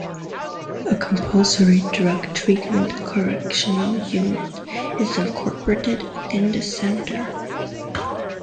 A Compulsory Drug Treatment Correctional unit is incorporated within the Centre.